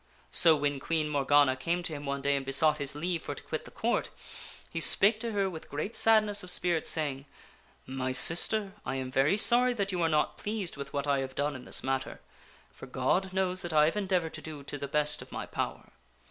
So when Queen Morgana came to him one day and besought his leave for to quit the Court, he spake to her with great sadness of spirit, saying, " My sister, I PROLOGUE I59 am very sorry that you are not pleased with what I have done in this matter, for God knows that I have endeavored to do to the best of my power.